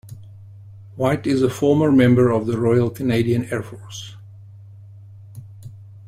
White is a former member of the Royal Canadian Air Force.